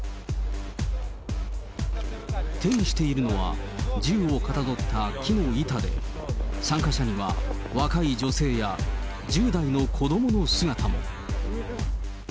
手にしているのは、銃をかたどった木の板で、参加者には若い女性や１０代の子どもの姿も。